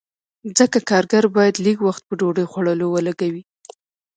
ځکه کارګر باید لږ وخت په ډوډۍ خوړلو ولګوي